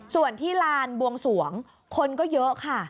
ส่วนที่ลานบวงสวงคนก็เยอะค่ะ